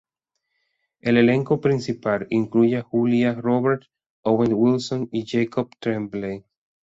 El elenco principal incluye a Julia Roberts, Owen Wilson y Jacob Tremblay.